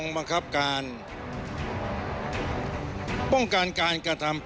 พระนาม